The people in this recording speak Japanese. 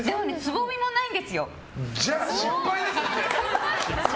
じゃあ失敗です！